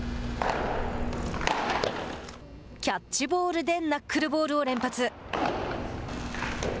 キャッチボールでナックルボールを連発。